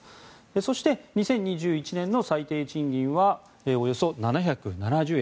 そして、２０２１年の最低賃金はおよそ７７０円。